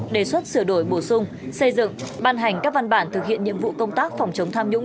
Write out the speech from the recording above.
đề xuất sửa đổi bổ sung xây dựng ban hành các văn bản thực hiện nhiệm vụ công tác phòng chống tham nhũng